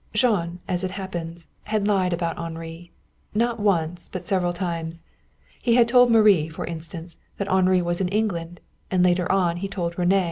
Jean, as it happens, had lied about Henri. Not once, but several times. He had told Marie, for instance, that Henri was in England, and later on he told René.